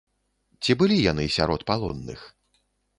Ці былі яны сярод палонных?